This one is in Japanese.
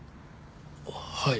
はい。